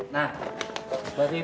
nah buat vivi